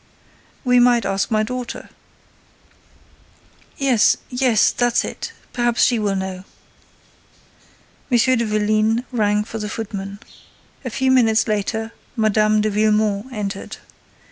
"We might ask my daughter." "Yes—yes—that's it—perhaps she will know." M. de Vélines rang for the footman. A few minutes later, Mme. de Villemon entered.